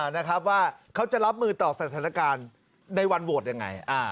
นะครับว่าเขาจะรับมือต่อสถานการณ์ในวันโหวตยังไง